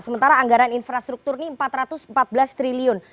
sementara anggaran infrastruktur ini empat ratus empat belas triliun